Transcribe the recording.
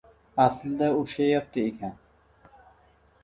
Aslida urishayapti ekan.